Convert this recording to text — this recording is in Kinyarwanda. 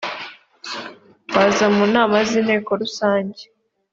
baza mu nama z inteko rusange